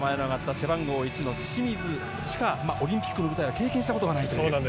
背番号１の清水しかオリンピックの舞台は経験したことがないという。